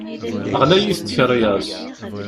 Ɣlayit tkeṛyas.